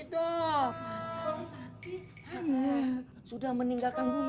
iya sudah meninggalkan gulinya